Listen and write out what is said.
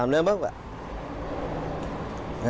๓เดือนบ้าง